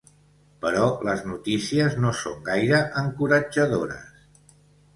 Però les notícies no són gaire encoratjadores.